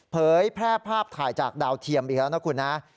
เผยแพร่ภาพถ่ายจากดาวเทียมอีกแล้วนะคุณนะ